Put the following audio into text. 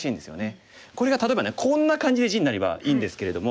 これが例えばこんな感じで地になればいいんですけれども。